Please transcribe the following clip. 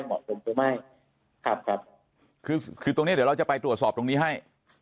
เหมาะสมหรือไม่ครับครับคือคือตรงเนี้ยเดี๋ยวเราจะไปตรวจสอบตรงนี้ให้